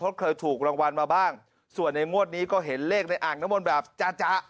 เพราะเคยถูกรางวัลมาบ้างส่วนในงวดนี้ก็เห็นเลขในอ่างน้ำมนต์แบบจ๊ะจ๊ะ